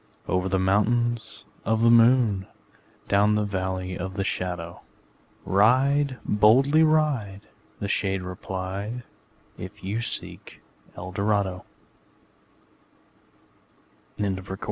'' Over the Mountains Of the Moon, Down the Valley of the Shadow, Ride, boldly ride,'' The shade replied, ``If you seek for Eldorado!''